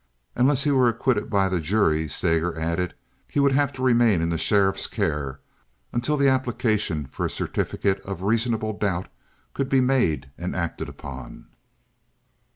Unless he were acquitted by the jury, Steger added, he would have to remain in the sheriff's care until an application for a certificate of reasonable doubt could be made and acted upon.